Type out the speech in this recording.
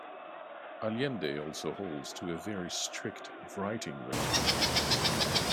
Allende also holds to a very strict writing routine.